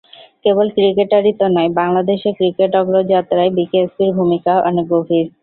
কেবল ক্রিকেটারই তো নয়, বাংলাদেশের ক্রিকেট অগ্রযাত্রায় বিকেএসপির ভূমিকা অনেক গভীর।